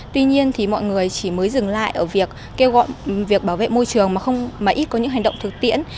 tuy nhiên mọi người chỉ mới dừng lại ở việc kêu gọi việc bảo vệ môi trường mà ít có những hành động thực tiễn